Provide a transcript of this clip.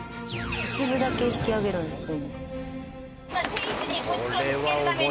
一部だけ引き揚げるんですね。